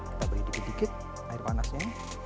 kita beri sedikit sedikit air panasnya